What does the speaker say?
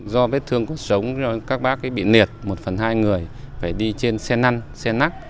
do vết thương cuộc sống các bác bị niệt một phần hai người phải đi trên xe năn xe nắc